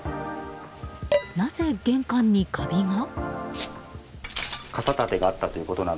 なぜ玄関にカビが？